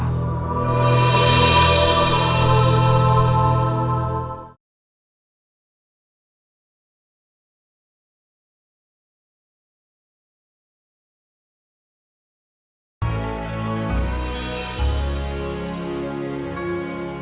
aku ingin kamu tahu